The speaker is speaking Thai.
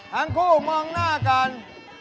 ทั้งคู่มองหน้ากัน